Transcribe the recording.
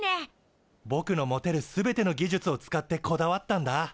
ぼくの持てる全ての技術を使ってこだわったんだ。